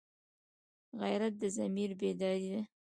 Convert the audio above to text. غیرت د ضمیر بیداري ده